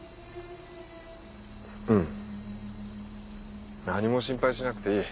うん何も心配しなくていい。